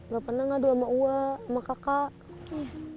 gak pernah ngadu sama uang sama kakak